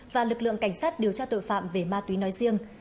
và lực lượng cảnh sát điều tra tội phạm về ma túy nói riêng